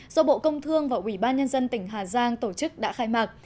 do bộ công thương và ủy ban nhân dân tỉnh hà giang tổ chức đã khai mạc